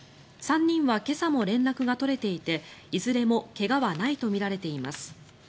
３人は今朝も連絡が取れていていずれも怪我はないとみられています。